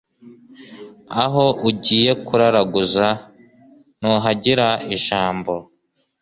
aho ugiye kuraraguza, ntuhagira ijambo